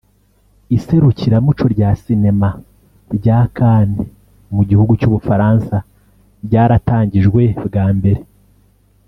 Iserukiramuco rya Sinema rya Cannes mu gihugu cy’u Bufaransa ryaratangijwe bwa mbere